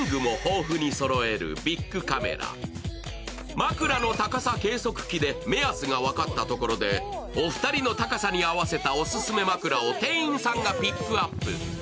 枕の高さ計測器で目安が分かったところで、お二人の高さに合わせたオススメ枕を店員さんがピックアップ。